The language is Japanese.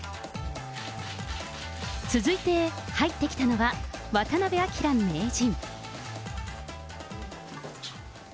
続いて入ってきたのは、渡辺明名人。